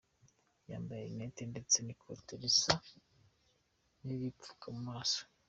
Yambaye Lunette ndetse n’ikote risa niripfuka mu maso.